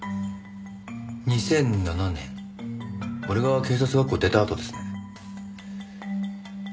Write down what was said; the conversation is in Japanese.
２００７年俺が警察学校出たあとですね。